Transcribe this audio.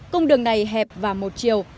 công đường này hẹp và một chiều